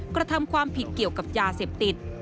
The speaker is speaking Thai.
กระทำความผิดเกี่ยวกับยาเสพติด